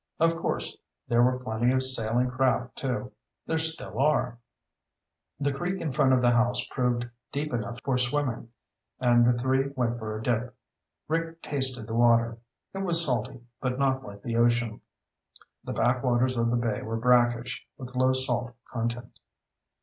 Of course, there were plenty of sailing craft, too. There still are." The creek in front of the house proved deep enough for swimming, and the three went for a dip. Rick tasted the water. It was salty, but not like the ocean. The backwaters of the bay were brackish, with low salt content.